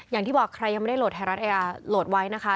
อย่างที่บอกใครยังไม่ได้โหลดไทยรัฐโหลดไว้นะคะ